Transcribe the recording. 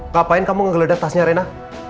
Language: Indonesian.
ngapain kamu ngegeledak tasnya reina